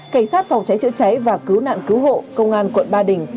cảnh sát phòng cháy chữa cháy và cứu nạn cứu hộ công an quận ba đình